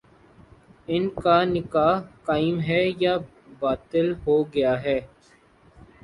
ان کا نکاح قائم ہے یا باطل ہو گیا ہے